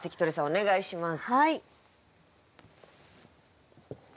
お願いします。